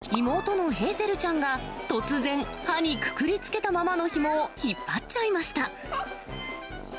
隣で見守っていた妹のヘーゼルちゃんが、突然、歯にくくりつけたままのひもを引っ張っちゃいました。